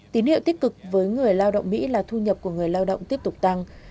tín hiệu tích cực với người lao động mỹ là thu nhập của người lao động tiếp tục tăng